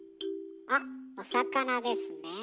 あっお魚ですね。